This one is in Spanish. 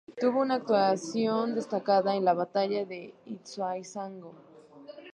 Tuvo una actuación destacada en la batalla de Ituzaingó.